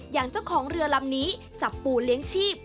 อย่างเจ้าของเรือลำนี้จับปูเลี้ยงชีพ